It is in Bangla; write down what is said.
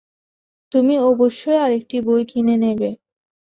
তুমি অবশ্যই আরেকটি বই কিনে নেবে।